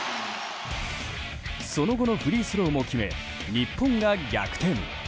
その後のフリースローも決め日本が逆転。